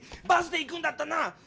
バスで行くんだったな！